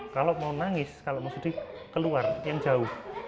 kalau mau nangis kalau mau sedih keluar yang jauh